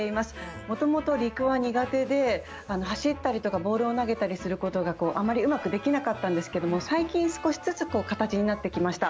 もともと陸は苦手で走ったりとかボールを投げたりすることがあまりうまくできなかったんですけども最近少しずつ形になってきました。